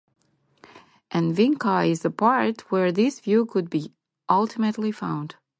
And Vinchai is the part where this view could be ultimately found.